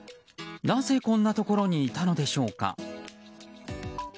なぜ、こんなところにいたのでしょうか。